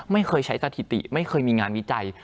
ไม่เคยใช้สถิติไม่เคยมีงานวิจัย